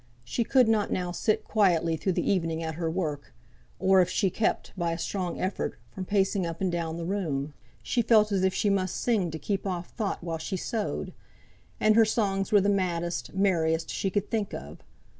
She could not now sit quietly through the evening at her work; or, if she kept, by a strong effort, from pacing up and down the room, she felt as if she must sing to keep off thought while she sewed. And her songs were the maddest, merriest, she could think of.